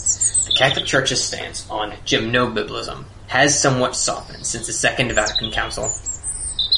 The Catholic Church's stance on gymnobiblism has somewhat softened since the Second Vatican Council.